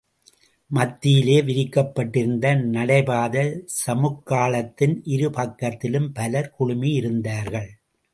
மத்தியிலே விரிக்கப்பட்டிருந்த நடை பாதைச் சமுக்காளத்தின் இருபக்கத்திலும் பலர் குழுமியிருந்தார்கள்.